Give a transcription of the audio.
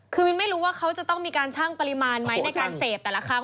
คือมินไม่รู้ว่าเขาจะต้องมีการชั่งปริมาณไหมในการเสพแต่ละคำ